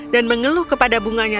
dan mengeluh kepada bunganya